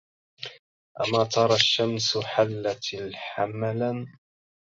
أما ترى الشمس حلت الحملا